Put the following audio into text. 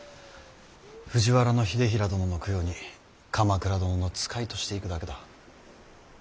藤原秀衡殿の供養に鎌倉殿の使いとして行くだけだ。